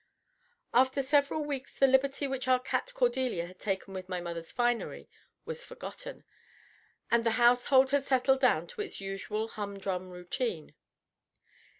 After several weeks the liberty which our cat Cordelia had taken with my mother's finery was forgotten, and the household had settled down into its usual humdrum routine.